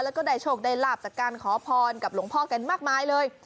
แล้วก็ได้โชคได้ลาบจากการขอพรกับหลวงพ่อกันมากมายเลย